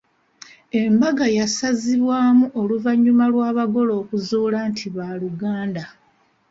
Embaga yasazibwamu oluvannyuma lw'abagole okuzuula nti baaluganda.